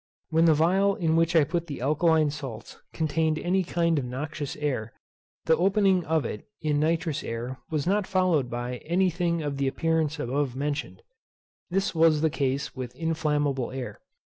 When the phial in which I put the alkaline salts contained any kind of noxious air, the opening of it in nitrous air was not followed by any thing of the appearance above mentioned. This was the case with inflammable air.